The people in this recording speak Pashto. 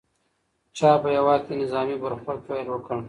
چا په هېواد کي د نظامي برخورد پیل وکړ؟